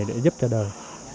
để giúp cho đời